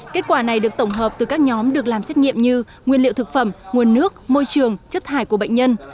kết quả này được tổng hợp từ các nhóm được làm xét nghiệm như nguyên liệu thực phẩm nguồn nước môi trường chất thải của bệnh nhân